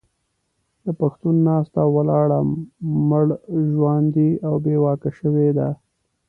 د پښتون ناسته او ولاړه مړژواندې او بې واکه شوې ده.